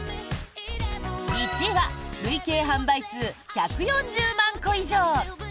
１位は累計販売数１４０万個以上！